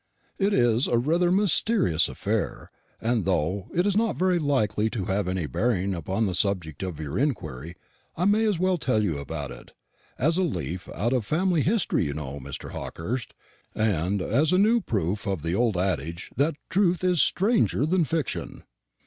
It is rather a mysterious affair; and though it is not very likely to have any bearing upon the object of your inquiry, I may as well tell you about it, as a leaf out of family history, you know, Mr. Hawkehurst, and as a new proof of the old adage that truth is stranger than fiction."